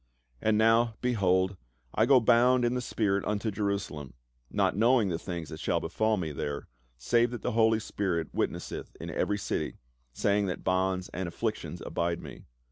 " And now, behold, I go bound in the spirit unto Jerusalem, not knowing the things that shall befall me there, save that the Holy Spirit witnesseth in every city, saying that bonds and afflictions abide me.